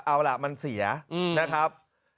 เอาล่ะมันเสียนะครับ